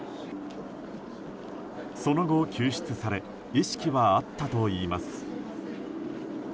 その後、救出され意識はあったといいます。